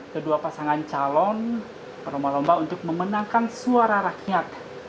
kedua pasangan calon berlomba lomba untuk memenangkan suara rakyat